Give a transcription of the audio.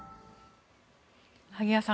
萩谷さん